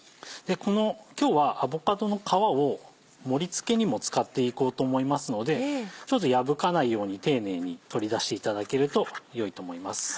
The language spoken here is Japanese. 今日はアボカドの皮を盛り付けにも使っていこうと思いますので破かないように丁寧に取り出していただけるとよいと思います。